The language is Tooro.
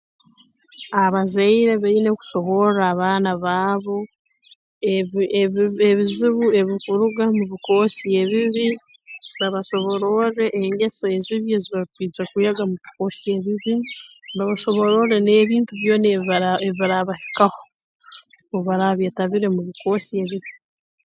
Abazaire baine kusoborra abaana baabo ebi ebi ebizibu ebirukuruga mu bikoosi ebibi babasobororre engeso ezibi ezibarukwija kwega mu bikoosi ebibi babasobororre n'ebintu byona ebiraa ebiraabahikaho obu baraaba beetabire mu bikoosi ebibi